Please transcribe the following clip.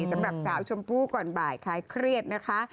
สำหรับสาวชมพู่ก่อนบ่ายคลายเครียดนะคะ